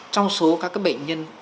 trong số các bệnh nhân